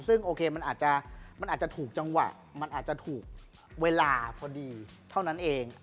ซึ่งโอเคมันอาจจะมันอาจจะถูกจังหวะมันอาจจะถูกเวลาพอดีเท่านั้นเอง